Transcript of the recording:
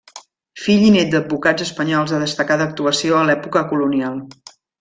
Fill i nét d'advocats espanyols de destacada actuació a l'època colonial.